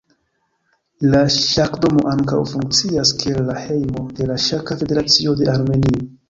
La ŝakdomo ankaŭ funkcias kiel la hejmo de la Ŝaka Federacio de Armenio.